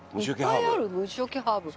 いっぱいある虫よけハーブ。